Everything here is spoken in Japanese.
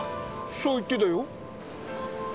そう言ってたよ。